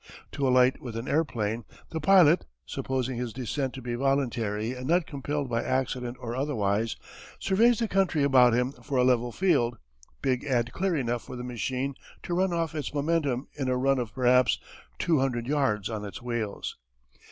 To alight with an airplane the pilot supposing his descent to be voluntary and not compelled by accident or otherwise surveys the country about him for a level field, big and clear enough for the machine to run off its momentum in a run of perhaps two hundred yards on its wheels.